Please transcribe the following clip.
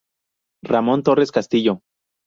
Ramón Torres Castillo.